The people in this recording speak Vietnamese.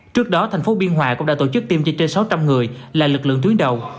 trước đó thành phố biên hòa cũng đã tổ chức tiêm cho trên sáu trăm linh người là lực lượng tuyến đầu